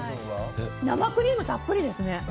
生クリームたっぷりですね。